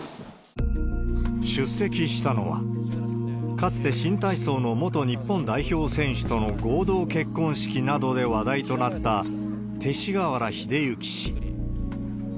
出席したのは、かつて新体操の元日本代表選手との合同結婚式などで話題となった、勅使河原秀行氏。